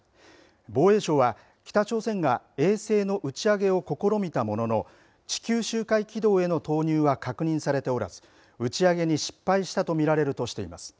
防衛省は北朝鮮が衛星の打ち上げを試みたものの地球周回軌道への投入は確認されておらず打ち上げに失敗したと見られるとしています。